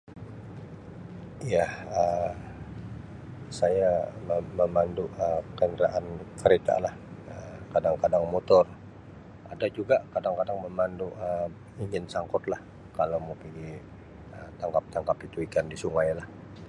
Ya, Um saya man-memandu Um kenderaan keretalah, [Um]kadang-kadang motor-motor. Ada juga kadang-kadang memandu Um enjin sangkutlah kalau mau pigi Um tangkap-tangkap itu ikan di sungailah.